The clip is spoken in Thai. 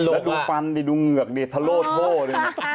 แล้วดูฟันดูเหงื่อกทำร่วน